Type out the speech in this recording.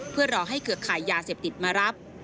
เพื่อรอให้เครือขายยาเสพติดมารับ